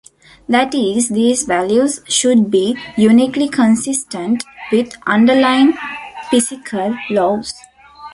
That is, these values should be uniquely consistent with underlying physical laws.